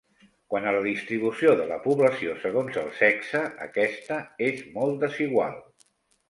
Quant a la distribució de la població segons el sexe, aquesta és molt desigual.